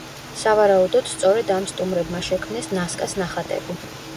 სავარაუდოდ, სწორედ ამ სტუმრებმა შექმნეს ნასკას ნახატები.